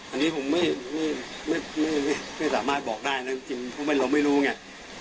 อันนี้ผมไม่สามารถบอกได้นะจริงเพราะเราไม่รู้ไง